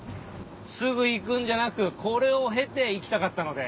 すぐ行くんじゃなくこれを経て行きたかったので。